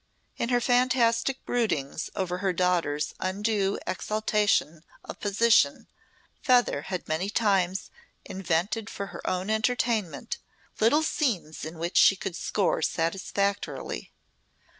In her fantastic broodings over her daughter's undue exaltation of position Feather had many times invented for her own entertainment little scenes in which she could score satisfactorily.